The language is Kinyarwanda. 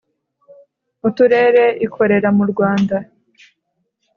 uturere ikorera mu Rwanda,